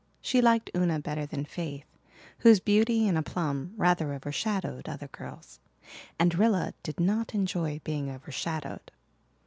She liked Una better than Faith, whose beauty and aplomb rather overshadowed other girls and Rilla did not enjoy being overshadowed.